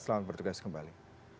selamat bertugas kembali